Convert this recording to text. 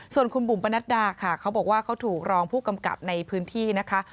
ส่วนคุณบุ๋มปนัดดาค่ะเขาบอกว่าเขาถูกรองผู้กำกับในพื้นที่นะคะ